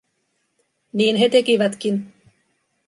Niin he tekivätkin.